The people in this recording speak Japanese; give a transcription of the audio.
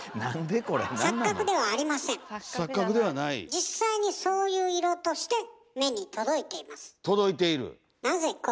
実際にそういう色として目に届いています。